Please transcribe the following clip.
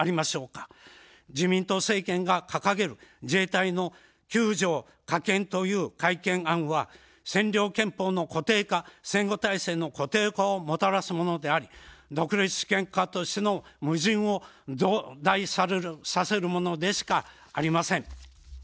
自民党政権が掲げる自衛隊の９条加憲という改憲案は占領憲法の固定化、戦後体制の固定化をもたらすものであり独立主権国家としての矛盾を増大させるものでしかありえません。